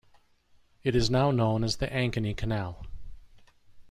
It is now known as the Ankeny Canal.